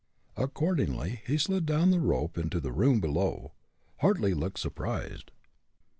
Accordingly he slid down the rope into the room below. Hartly looked surprised.